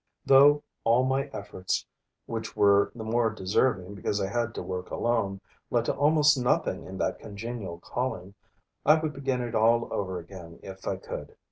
Though all my efforts, which were the more deserving because I had to work alone, led to almost nothing in that congenial calling, I would begin it all over again if I could.